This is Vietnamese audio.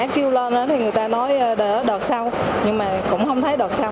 kêu lên thì người ta nói đợt sau nhưng mà cũng không thấy đợt sau